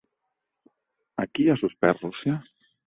A qui ha suspès Rússia?